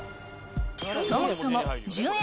そもそも１０円